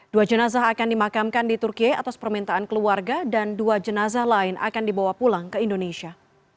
dua jenazah akan dimakamkan di turki atas permintaan keluarga dan dua jenazah lain akan dibawa pulang ke indonesia